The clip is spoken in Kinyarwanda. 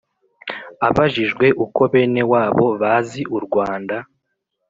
abajijwe uko benewabo bazi u rwanda